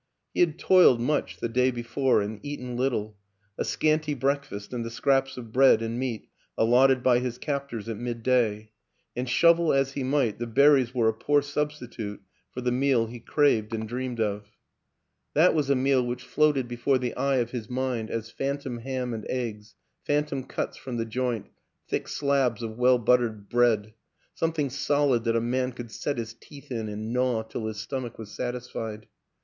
He had toiled much the day before and eaten lit tle a scanty breakfast and the scraps of bread and meat allotted by his captors at midday and, shovel as he might, the berries were a poor substitute for the meal he craved and dreamed of. 152 WILLIAM AN ENGLISHMAN That was a meal which floated before the eye of his mind as phantom ham and eggs, phantom cuts from the joint, thick slabs of well buttered bread; something solid that a man could set his teeth in and gnaw till his stomach was satisfied.